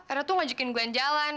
era ngajakin gue jalan